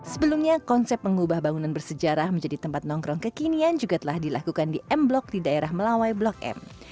sebelumnya konsep mengubah bangunan bersejarah menjadi tempat nongkrong kekinian juga telah dilakukan di m blok di daerah melawai blok m